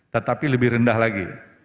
tetapi lebih rendah lagi